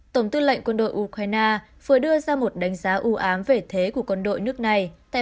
tổng tư lệnh quân đội ukraine vừa đưa ra một đánh giá ưu ám về thế của quân đội nước này tại